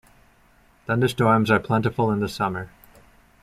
Thunderstorms are plentiful in the summer.